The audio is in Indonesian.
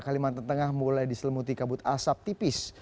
kalimantan tengah mulai diselemuti kabut asap tipis